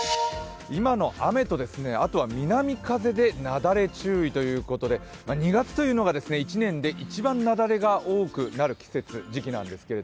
今の雨と、あとは南風で雪崩注意ということで２月というのが１年で一番雪崩が多くなる時期なんです。